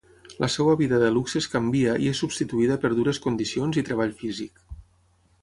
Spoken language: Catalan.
La seva vida de luxes canvia i és substituïda per dures condicions i treball físic.